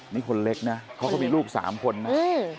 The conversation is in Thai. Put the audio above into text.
นี่คนเล็กนะเขาก็มีลูก๓คนนะ